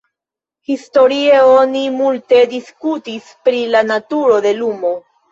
Historie oni multe diskutis pri la naturo de lumo.